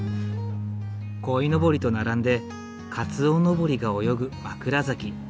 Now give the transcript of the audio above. こいのぼりと並んでかつおのぼりが泳ぐ枕崎。